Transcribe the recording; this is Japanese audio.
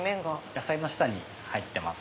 野菜の下に入ってます。